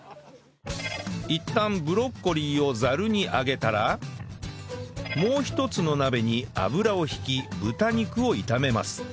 いったんブロッコリーをざるに上げたらもう一つの鍋に油を引き豚肉を炒めます